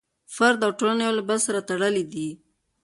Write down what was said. فرد او ټولنه یو له بل سره تړلي دي.